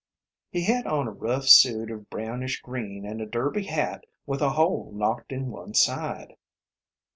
"He had on a rough suit of brownish green and a derby hat with a hole knocked in one side."